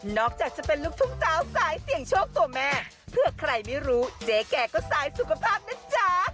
จากจะเป็นลูกทุ่งสาวสายเสี่ยงโชคตัวแม่เผื่อใครไม่รู้เจ๊แก่ก็สายสุขภาพนะจ๊ะ